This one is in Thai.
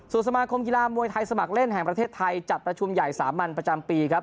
ส่วนสมาคมกีฬามวยไทยสมัครเล่นแห่งประเทศไทยจัดประชุมใหญ่สามัญประจำปีครับ